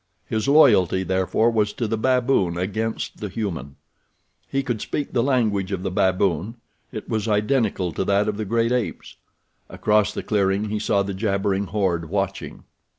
His loyalty therefore was to the baboon against the human. He could speak the language of the baboon—it was identical to that of the great apes. Across the clearing he saw the jabbering horde watching.